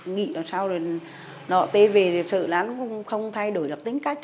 nghĩ là sao rồi nọ tê về thì sợ là nó không thay đổi được tính cách